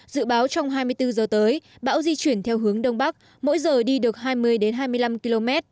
dự báo trong hai mươi bốn giờ tới bão di chuyển theo hướng đông bắc mỗi giờ đi được hai mươi hai mươi năm km